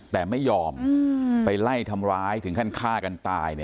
แต่ไม่ยอมไปไล่ทำร้ายถึงขั้นฆ่ากันตาย